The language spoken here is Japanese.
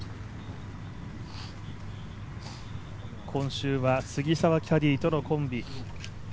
今週は杉澤キャディーとのコンビ。